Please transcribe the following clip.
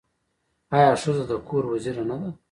آیا ښځه د کور وزیره نه ده؟